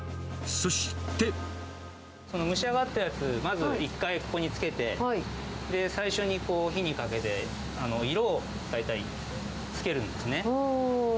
その蒸し上がったやつ、まず、１回、ここに漬けて、最初に火にかけて色を大体つけるんですね。